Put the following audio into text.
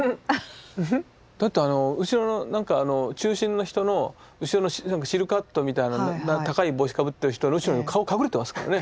だって後ろのなんか中心の人の後ろのシルクハットみたいなの高い帽子かぶってる人の後ろに顔隠れてますからね。